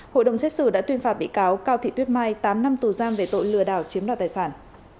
hội đồng xét xử đã tuyên phạt bị cáo cao thị tuyết mai tám năm thủ giang về tội lửa đảo chiếm đoạt tài sản